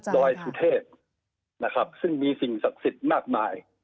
อยสุเทพนะครับซึ่งมีสิ่งศักดิ์สิทธิ์มากมาย